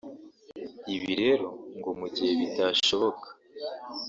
Ibi rero ngo mu gihe bitashoboka